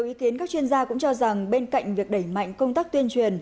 với những ý kiến các chuyên gia cũng cho rằng bên cạnh việc đẩy mạnh công tác tuyên truyền